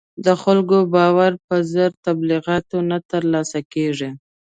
د خلکو باور په زر تبلیغاتو نه تر لاسه کېږي.